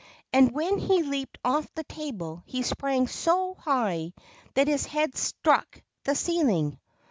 And when he leaped off the table he sprang so high that his head struck the ceiling.